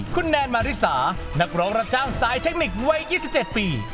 คุณแนนมาริสานักร้องรับจ้างสายเทคนิควัย๒๗ปี